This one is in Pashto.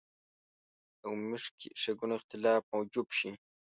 د عمومي ښېګڼو اختلاف موجب شي.